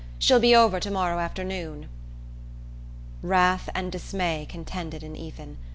She'll be over to morrow afternoon." Wrath and dismay contended in Ethan.